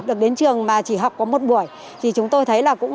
được đến trường mà chỉ học có một buổi thì chúng tôi thấy là cũng